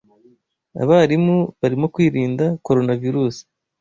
Abarimu barimo kwirinda coronavirusi